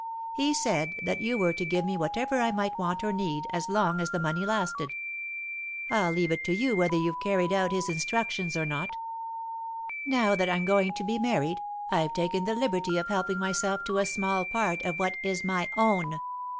He said that you were to give me whatever I might want or need, as long as the money lasted. I'll leave it to you whether you've carried out his instructions or not. "Now that I'm going to be married, I've taken the liberty of helping myself to a small part of what is my own.